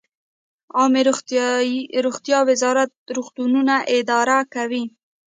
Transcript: عامې روغتیا وزارت روغتونونه اداره کوي